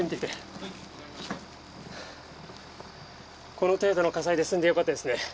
この程度の火災で済んでよかったですね。